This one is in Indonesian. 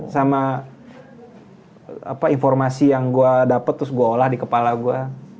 sama informasi yang gue dapat terus gue olah di kepala gue